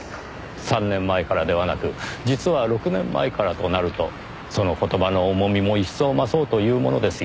３年前からではなく実は６年前からとなるとその言葉の重みも一層増そうというものですよ。